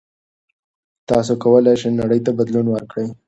تاسو کولای شئ نړۍ ته بدلون ورکړئ.